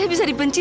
saya bisa dibenci